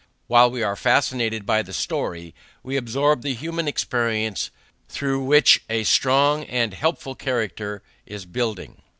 While we are fascinated by the story, we absorb the human experience through which a strong and helpful character is building.